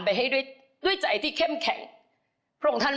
พี่เบสอยากจะฝากอะไรถึงทุกคนในช่วงท้าย